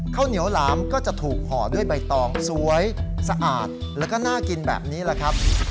ข้าวเหนียวหลามก็จะถูกห่อด้วยใบตองสวยสะอาดแล้วก็น่ากินแบบนี้แหละครับ